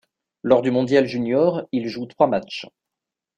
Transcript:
Lors du mondial junior, il joue trois matchs.